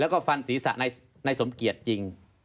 ก็ฟันศีรษะในสมเกียจจริง